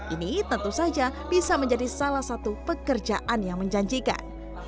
ini tentu saja bisa menjadi salah satu pekerjaan yang menjanjikan